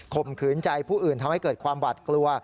มขืนใจผู้อื่นทำให้เกิดความหวัดกลัว